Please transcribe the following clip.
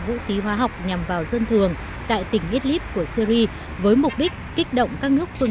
vũ khí hóa học nhằm vào dân thường tại tỉnh idlib của syri với mục đích kích động các nước phương